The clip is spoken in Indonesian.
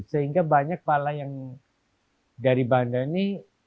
sehingga banyak pala yang dari banda ini